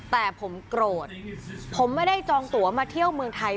แต่ผมโกรธผมไม่ได้จองตัวมาเที่ยวเมืองไทย